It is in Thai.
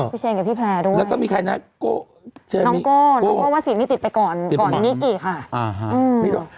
คุณเชนกับพี่แพร่ด้วยแล้วก็มีใครนะน้องโก้น้องโก้ว่าสิทธิ์นี้ติดไปก่อนมิคค่ะ